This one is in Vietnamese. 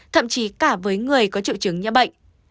thậm chí cả với người có triệu chứng nhiễm bệnh